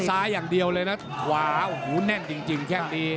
ซ้ายอย่างเดียวเลยนะขวาโอ้โหแน่นจริงแค่งนี้